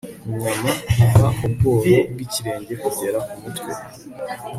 inyama kuva mu bworo bw'ikirenge kugera ku mutwe